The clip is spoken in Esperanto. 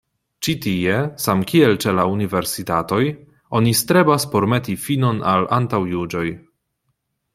Ĉi tie, samkiel ĉe la universitatoj, oni strebas por meti finon al antaŭjuĝoj".